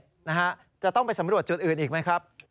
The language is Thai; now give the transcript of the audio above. อันนี้เสร็จนะฮะจะต้องไปสำรวจจุดอื่นอีกไหมครับ